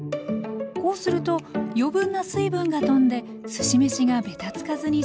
こうすると余分な水分がとんですし飯がベタつかずに仕上がります